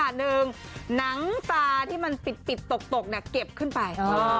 หนึ่งหนังตาที่มันปิดตกเนี่ยเก็บขึ้นไป